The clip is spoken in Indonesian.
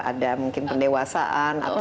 ada mungkin pendewasaan atau